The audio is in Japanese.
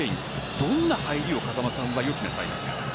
どんな入りを風間さんは期待なさりますか？